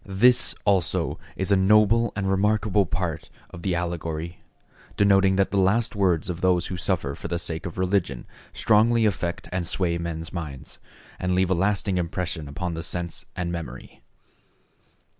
This also is a noble and remarkable part of the allegory, denoting that the last words of those who suffer for the sake of religion strongly affect and sway men's minds, and leave a lasting impression upon the sense and memory.